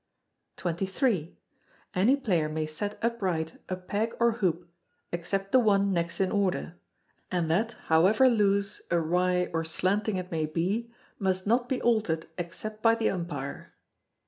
xxiii. Any player may set upright a peg or hoop except the one next in order; and that, however loose, awry, or slanting it may be, must not be altered except by the umpire.